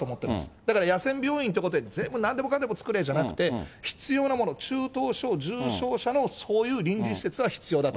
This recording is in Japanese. だから野戦病院ということで全部なんでもかんでも作れじゃなくて、必要なもの、中等症、重症者の、そういう臨時施設は必要だと。